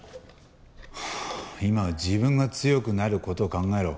今は自分が強くなる事を考えろ。